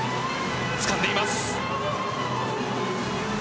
つかんでいます！